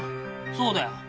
そうだよ。